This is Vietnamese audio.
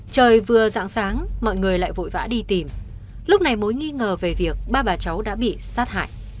trời vừa dạng sáng mọi người lại vội vã đi tìm lúc này mối nghi ngờ về việc ba bà cháu đã bị sát hại